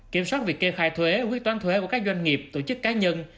kiểm soát việc kê khai thuế quyết toán thuế của các doanh nghiệp tổ chức cá nhân